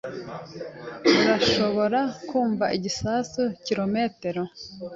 Urashobora kumva igisasu kirometero.